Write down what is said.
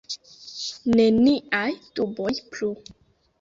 Neniaj duboj plu!